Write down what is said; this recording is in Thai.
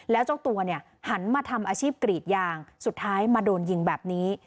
แล้วเจ้าตัวเนี่ยหันมาทำอาชีพกรีดยางสุดท้ายมาโดนยิงแบบนี้